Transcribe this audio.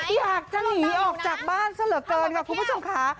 อยากจะหนีออกจากบ้านซะเหลือเกินค่ะคุณผู้ชมค่ะ